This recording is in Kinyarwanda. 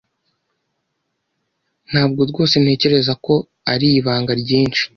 Ntabwo rwose ntekereza ko ari ibanga ryinshi.